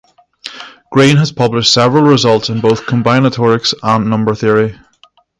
Green has published several results in both combinatorics and number theory.